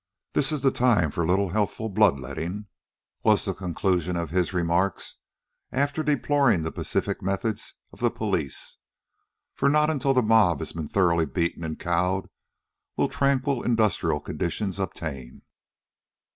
"This is the time for a little healthful bloodletting," was the conclusion of his remarks, after deploring the pacific methods of the police. "For not until the mob has been thoroughly beaten and cowed will tranquil industrial conditions obtain."